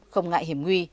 không ngại hiểm nguy